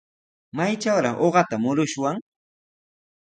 ¿Maytrawraq uqata murushwan?